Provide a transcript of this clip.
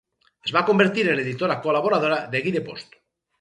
Es va convertir en editora col·laboradora de "Guideposts".